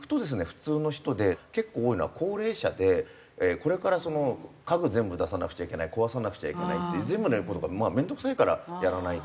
普通の人で結構多いのは高齢者でこれから家具全部出さなくちゃいけない壊さなくちゃいけないって全部のやる事がまあ面倒くさいからやらない。